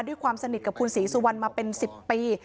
ด้วยความสนิทกับคุณศรีสุวรรณมาเป็น๑๐ปี